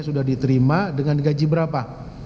sudah diterima dengan gaji berapa